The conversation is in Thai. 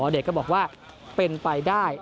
อ๋อเดชน์ก็บอกว่าเป็นไปได้